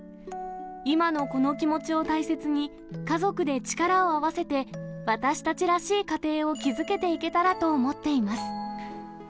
今のこの気持ちを大切に、家族で力を合わせて、私たちらしい家庭を築けていけたらと思っています。